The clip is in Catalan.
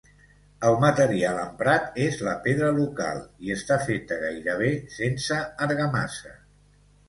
El material emprat és la pedra local, i està feta gairebé sense argamassa.